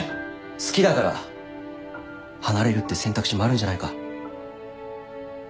好きだから離れるって選択肢もあるんじゃないか？